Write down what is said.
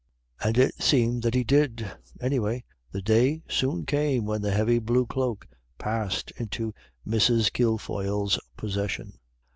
And it seemed that He did; anyway, the day soon came when the heavy blue cloak passed into Mrs. Kilfoyle's possession.